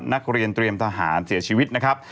นักเรียนเตรียมทหารเสียชีวิตนะครับ